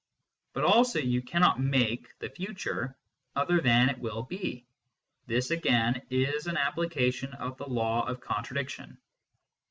But also you cannot make the future other than it will be ; this again is an application of the law of contradiction.